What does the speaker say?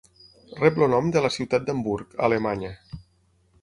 Rep el nom de la ciutat d'Hamburg, a Alemanya.